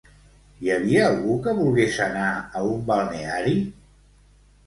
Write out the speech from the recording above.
Hi havia algú que volgués anar a un balneari?